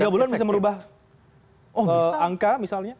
tiga bulan bisa merubah angka misalnya